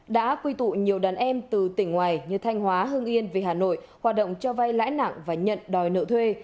đã quy tụ nhiều đàn em từ tỉnh ngoài như thanh hóa hương yên về hà nội hoạt động cho vay lãi nặng và nhận đòi nợ thuê